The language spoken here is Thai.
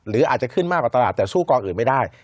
หรืออาจจะขึ้นมากกว่าตลาดแต่สู้กองอื่นไม่ได้